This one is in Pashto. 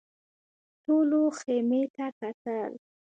ټولو خيمې ته کتل.